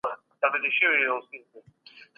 نننۍ نړۍ له پرونۍ نړۍ سره پرتله کړئ.